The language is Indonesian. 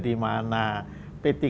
di mana p tiga